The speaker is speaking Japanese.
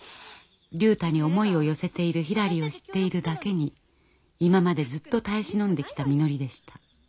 竜太に思いを寄せているひらりを知っているだけに今までずっと耐え忍んできたみのりでした。